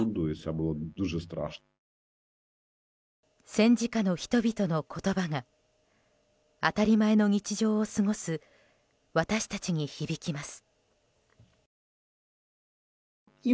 戦時下の人々の言葉が当たり前の日常を過ごす私たちに響きます。